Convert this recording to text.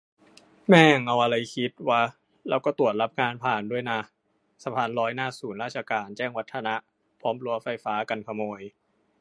แม่งเอาไรคิดวะ แล้วก็ตรวจรับงานผ่านด้วยนะ สะพานลอยหน้าศูนย์ราชการ แจ้งวัฒนะ พร้อมรั้วไฟฟ้ากันขโมย